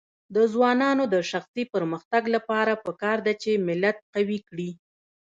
د ځوانانو د شخصي پرمختګ لپاره پکار ده چې ملت قوي کړي.